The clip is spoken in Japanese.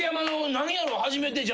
何やろ？